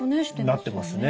なってますね。